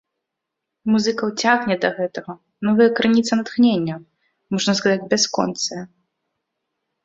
Музыкаў цягне да гэтага, новая крыніца натхнення, можна сказаць, бясконцая.